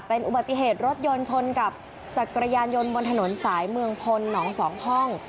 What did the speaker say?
เป็นอุบัติเหตุรถยนต์ชนกับจักรยานยนต์บนถนนสายเมืองพลหนองสองห้อง